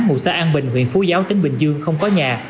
mùa xa an bình huyện phú giáo tỉnh bình dương không có nhà